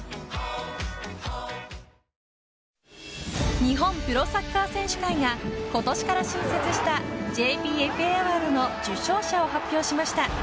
日本プロサッカー選手会が今年から新設したＪＰＦＡアワードの受賞者を発表しました。